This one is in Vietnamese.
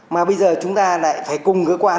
mà bây giờ chúng ta lại phải cùng cơ quan